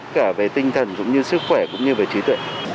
cả về tinh thần cũng như sức khỏe cũng như về trí tuệ